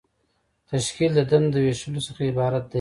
تشکیل د دندو د ویشلو څخه عبارت دی.